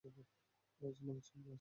লজের মালিক সামি আছে?